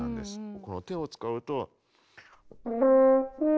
この手を使うと。